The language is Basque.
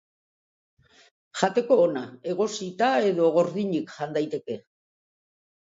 Jateko ona, egosita edo gordinik jan daiteke.